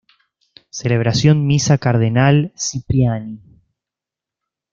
Celebración Misa Cardenal Cipriani